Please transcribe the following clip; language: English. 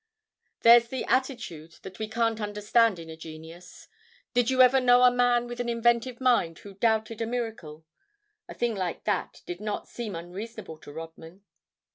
There's the attitude that we can't understand in a genius—did you ever know a man with an inventive mind who doubted a miracle? A thing like that did not seem unreasonable to Rodman.